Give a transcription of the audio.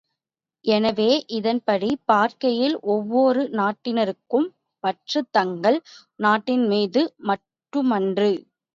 எனவே இதன்படிப் பார்க்கையில் ஒவ்வொரு நாட்டினருக்கும் பற்று தங்கள் நாட்டின் மீது மட்டுமன்று!